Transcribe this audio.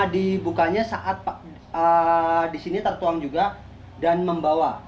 dibukanya saat disini tertuang juga dan membawa